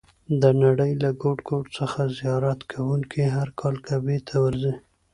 د نړۍ له ګوټ ګوټ څخه زیارت کوونکي هر کال کعبې ته ورځي.